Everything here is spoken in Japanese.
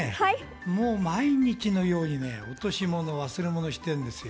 もう毎日のように落し物、忘れ物しているんですよ。